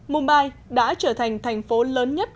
mumbai đã trở thành thành phố lớn nhất